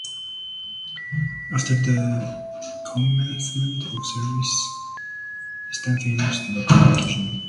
After the commencement of service, system failures still occurred occasionally.